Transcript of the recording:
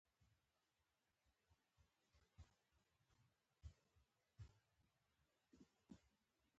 د افغانستان د اقتصادي پرمختګ لپاره پکار ده چې جواز ورکول شي.